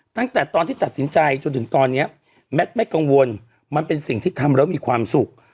ตั้งแต่ตอนที่ตัดสินใจจนถึงตอนนี้แมทไม่กังวลมันเป็นสิ่งที่ทำแล้วมีความสุข